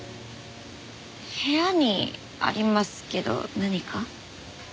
部屋にありますけど何か？